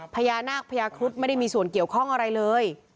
พญานาคพญาครุฑไม่ได้มีส่วนเกี่ยวข้องอะไรเลย